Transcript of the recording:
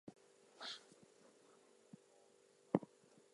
There are two free car parks, both reached from the entrance on Worden Lane.